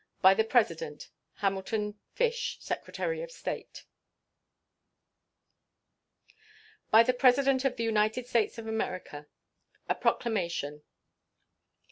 By the President: HAMILTON FISH, Secretary of State. BY THE PRESIDENT OF THE UNITED STATES OF AMERICA. A PROCLAMATION.